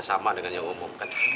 sama dengan yang umum